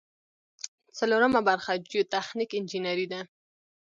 څلورمه برخه جیوتخنیک انجنیری ده.